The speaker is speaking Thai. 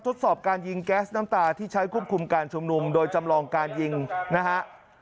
ทดสอบการยิงแก๊สน้ำตาที่ใช้ควบคุมการชุมนุมโดยจำลองการยิงนะฮะ